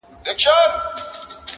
• بخته راته یو ښکلی صنم راکه,